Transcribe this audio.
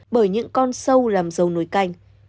bởi những con sâu làm dấu nối canh